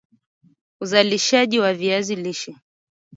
uzalishaji wa viazi lishe